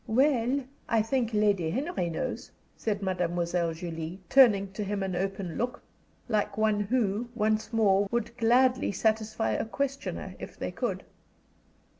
"Well, I think Lady Henry knows," said Mademoiselle Julie, turning to him an open look, like one who, once more, would gladly satisfy a questioner if they could.